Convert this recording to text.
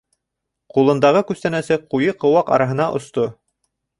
Ҡулындағы күстәнәсе ҡуйы ҡыуаҡ араһына осто.